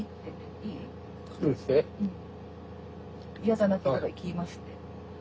「嫌じゃなければ行きます」って。